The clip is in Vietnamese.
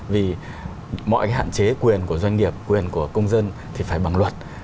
vì mọi cái hạn chế quyền của doanh nghiệp quyền của công dân thì phải bằng luật